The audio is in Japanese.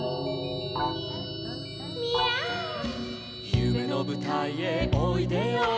「ゆめのぶたいへおいでよおいで」